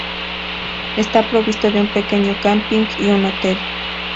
Está provisto de un pequeño camping y un hotel.